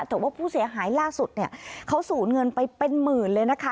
แต่ว่าผู้เสียหายล่าสุดเนี่ยเขาสูญเงินไปเป็นหมื่นเลยนะคะ